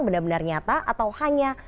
benar benar nyata atau hanya